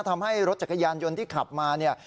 ทำให้รถจักรยานยนต์ที่ขับมาเนี่ย